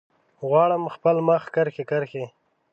غواړم خپل مخ کرښې، کرښې